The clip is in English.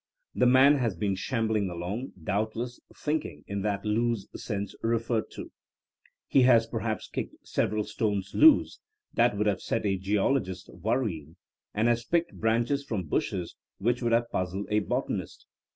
The man has been shambling along, doubtless thinking" in that loose sense re ferred to* He has perhaps kicked several stones loose that would have set a geologist worrying, and has picked braaches from bushes which would have puzzled a botanist.